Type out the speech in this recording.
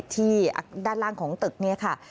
ที่ด้านล่างของตึกเนี่ยค่ะ